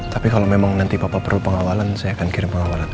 tapi kalau memang nanti bapak perlu pengawalan saya akan kirim pengawalan